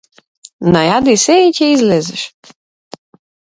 Најади се и ќе излезеш.